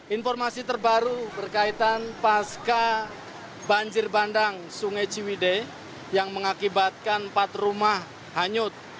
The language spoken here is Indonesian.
informasi terbaru berkaitan pasca banjir bandang sungai ciwide yang mengakibatkan empat rumah hanyut